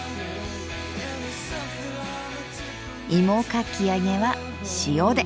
いもかき揚げは塩で！